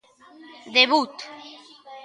Debut.